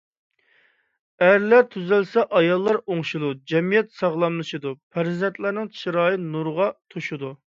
ئەرلەر تۈزەلسە ئاياللار ئوڭشىلىدۇ، جەمئىيەت ساغلاملىشىدۇ، پەرزەنتلەرنىڭ چىرايى نۇرغا توشىدۇ.